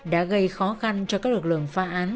đã gây khó khăn cho các lực lượng phá án